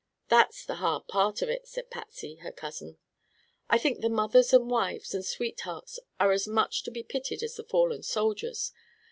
"That's the hard part of it," said Patsy, her cousin. "I think the mothers and wives and sweethearts are as much to be pitied as the fallen soldiers.